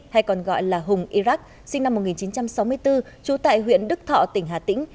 hay còn gọi là hùng iraq sinh năm một nghìn chín trăm sáu mươi bốn trú tại huyện đức thọ tỉnh hà tĩnh